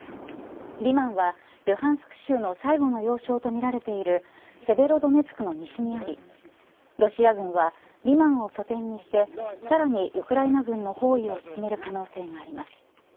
リマンはルハンスク州の最後の要衝とみられているセベロドネツクの西にありロシア軍はリマンを拠点にしてさらにウクライナ軍の包囲を進める可能性があります。